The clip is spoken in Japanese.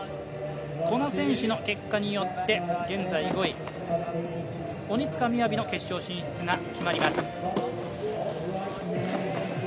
この選手の結果によって現在５位、鬼塚雅の決勝進出が決まります。